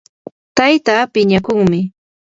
tayta piñakuqmi